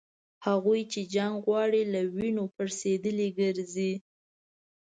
هغوی چي جنګ غواړي له وینو پړسېدلي ګرځي